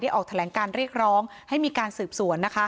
ออกแถลงการเรียกร้องให้มีการสืบสวน